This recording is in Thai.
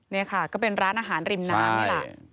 นี่ค่ะก็เป็นร้านอาหารริมน้ำนี่แหละ